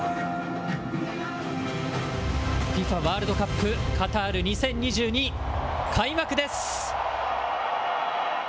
ＦＩＦＡワールドカップカタール２０２２、開幕です。